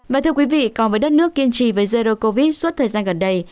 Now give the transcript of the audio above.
và thưa quý vị còn với đất nước kiên trì với zero covid suốt thời gian gần đây